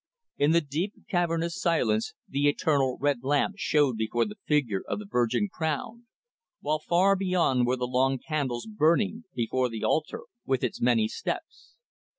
In the deep, cavernous silence the eternal red lamp showed before the figure of the Virgin crowned, while far beyond were the long candles burning before the altar, with its many steps.